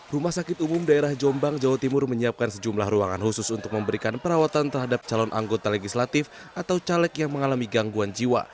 rumah sakit umum daerah jombang jawa timur menyiapkan sejumlah ruangan khusus untuk memberikan perawatan terhadap calon anggota legislatif atau caleg yang mengalami gangguan jiwa